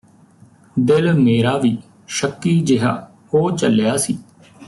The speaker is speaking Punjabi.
ਦਿਲ ਮੇਰਾ ਵੀ ਸ਼ੱਕੀ ਜਿਹਾ ਹੋ ਚੱਲਿਆ ਸੀ